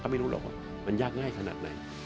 ไม่รู้หรอกว่ามันยากง่ายขนาดไหน